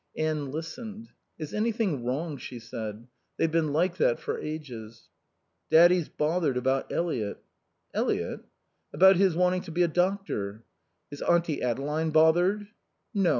Anne listened, "Is anything wrong?" she said. "They've been like that for ages." "Daddy's bothered about Eliot." "Eliot?" "About his wanting to be a doctor." "Is Auntie Adeline bothered?" "No.